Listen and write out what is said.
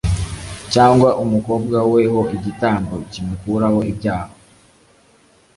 cyangwa umukobwa we ho igitambo kimukuraho ibyaha.